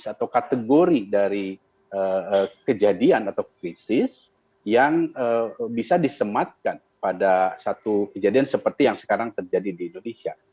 atau kategori dari kejadian atau krisis yang bisa disematkan pada satu kejadian seperti yang sekarang terjadi di indonesia